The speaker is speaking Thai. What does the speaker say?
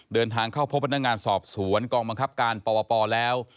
เดินทางเข้าพบพนักงานสอบสวนกองบังคับการปวปแล้ว